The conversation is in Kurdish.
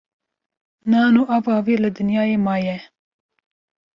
Nan û ava wî li dinyayê maye